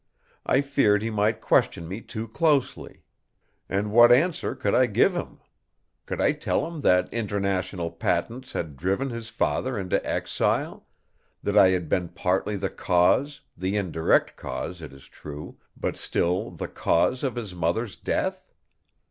I feared he might question me too closely. And what answer could I give him? Could I tell him that International Patents had driven his father into exile, that I had been partly the cause, the indirect cause, it is true, but still the cause of his mother's death?